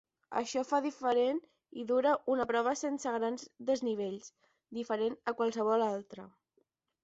Això fa diferent i dura una prova sense grans desnivells, diferent a qualsevol altra.